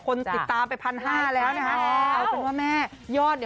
คนติดตามไปพันห้าแล้วนะฮะ